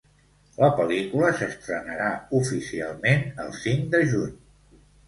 La pel·lícula s'estrenarà oficialment el cinc de juny.